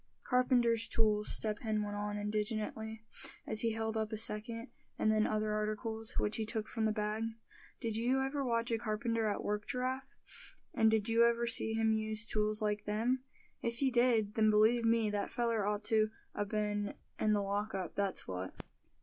"Carpenter's tools," Step Hen went on, indignantly, as he held up a second, and then other articles, which he took from the bag; "did you ever watch a carpenter at work, Giraffe; and did you ever see him use tools like them? If you did, then believe me, that feller ought to a been in the lock up, that's what."